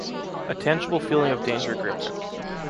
A tangible feeling of danger gripped him.